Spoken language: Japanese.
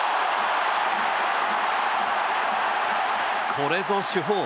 これぞ主砲！